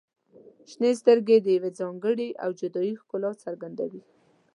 • شنې سترګې د یو ځانګړي او جادويي ښکلا څرګندوي.